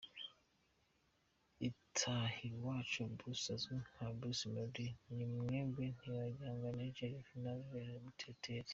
Itahiwacu Bruce uzwi nka Bruce Melody ni mwene Ntibihangana Gervais na Verène Muteteri.